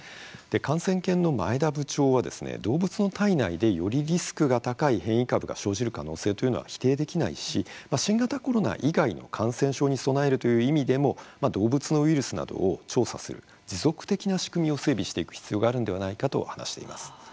感染研の前田部長は動物の体内でよりリスクが高い変異株が生じる可能性というのは否定できないし新型コロナ以外の感染症に備えるという意味でも動物のウイルスなどを調査する持続的な仕組みを整備していく必要があるのではないかと話しています。